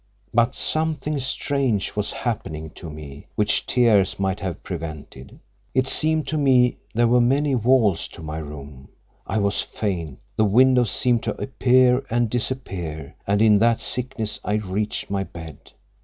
But something strange was happening to me which tears might have prevented. It seemed to me there were many walls to my room; I was faint; the windows seemed to appear and disappear, and in that sickness I reached my bed.